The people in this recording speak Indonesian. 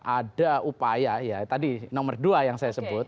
ada upaya ya tadi nomor dua yang saya sebut